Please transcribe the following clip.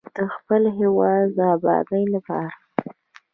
د خپل هیواد د ابادۍ لپاره.